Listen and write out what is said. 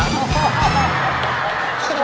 ไข่เยอะม้าไข่เยอะม้าค่ะ